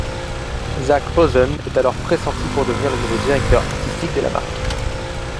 Zac Posen est alors pressenti pour devenir le nouveau directeur artistique de la marque.